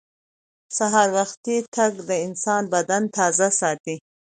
سهار وختي تګ د انسان بدن تازه ساتي